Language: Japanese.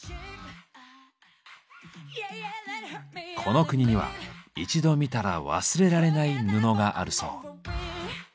この国には一度見たら忘れられない布があるそう。